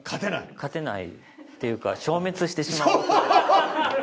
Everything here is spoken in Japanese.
勝てないっていうか消滅してしまう。